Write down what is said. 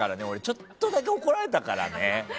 ちょっとだけ怒られたからね。